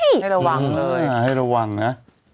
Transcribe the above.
ไม่ระวังเลยให้ระวังนะ